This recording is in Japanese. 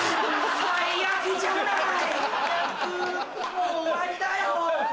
もう終わりだよ。